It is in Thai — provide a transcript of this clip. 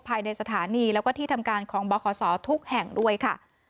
ภายในสถานีแล้วก็ที่ทำการของบขทุกแห่งด้วยค่ะ